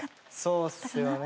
そうっすよね。